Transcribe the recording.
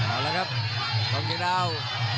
เอาแล้วครับกล้องเชียงดาว